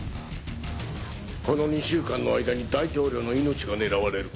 この２週間の間に大統領の命が狙われる。